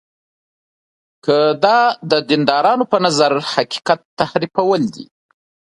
که دا د دیندارانو په نظر د حقیقت تحریفول دي.